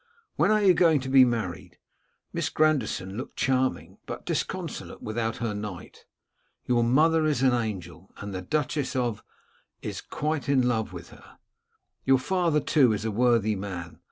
When are you going to be married? Miss Grandison looked charming, but disconsolate without her knight. Your mother is an angel, and the Duchess of is quite in love with her. Your father, too, is a worthy man.